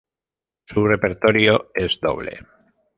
Su repertorio es doble.